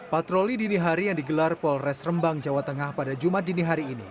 patroli dini hari yang digelar polres rembang jawa tengah pada jumat dini hari ini